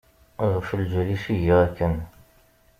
Ɣef lǧal-is i giɣ akken.